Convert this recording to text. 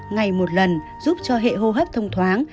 ngày một lần giúp cho hệ hô hấp thông thoáng